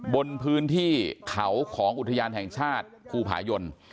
บนพื้นที่เขาของอุทยานแห่งชาติภูผายน